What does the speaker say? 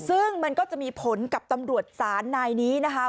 ซึ่งมันก็จะมีผลกับตำรวจศาลนายนี้นะคะ